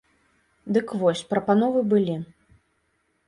Дык вось, прапановы былі.